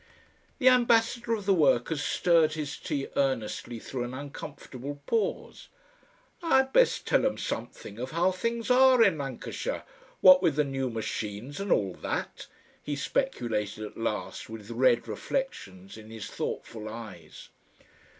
The Ambassador of the Workers stirred his tea earnestly through an uncomfortable pause. "I'd best tell 'em something of how things are in Lancashire, what with the new machines and all that," he speculated at last with red reflections in his thoughtful eyes.